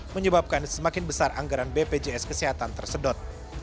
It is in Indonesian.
menyebabkan semakin besar anggaran bpjs kesehatan tersedot